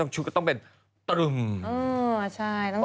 ชุดก็ต้องเป็นตรึมอ๋อใช่